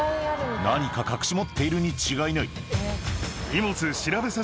何か隠し持っているに違いないえっ？